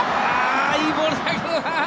いいボールだけどな。